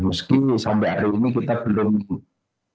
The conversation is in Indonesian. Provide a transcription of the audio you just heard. meski sampai hari ini kita belum cukup tiket menurut anda